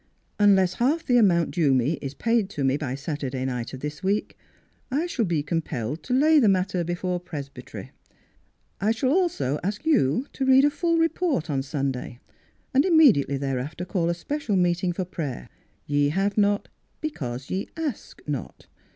Unless half the amount due me is paid to me by Saturday night of this week, I shall be compelled to lay the matter before Presbytery. I shall also ask you to read a full report on Sun day, and immediately thereafter call a special meeting for prayer. ' Ye have not because ye ask not.'